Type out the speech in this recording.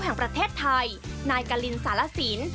แห่งประเทศไทยนายกะลินสารสิน